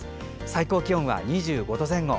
最高気温は２５度前後。